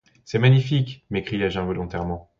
C’est magnifique ! m’écriai-je involontairement.